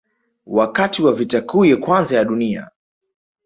Wakati wa Vita Kuu ya Kwanza ya Dunia